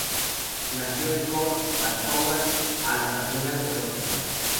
Nació en Hoek van Holland, a las afueras de Róterdam.